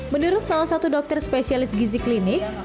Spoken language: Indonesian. menurut salah satu dokter spesialis gizinya